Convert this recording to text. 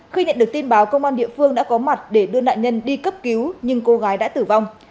khi nhận được tin báo công an địa phương đã có mặt để đưa nạn nhân đi cấp cứu nhưng cô gái đã tử vong